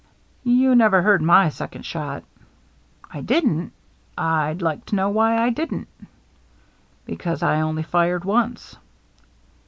" You never heard my second shot." " I didn't ? I'd like to know why I didn't." " Because I only fired once."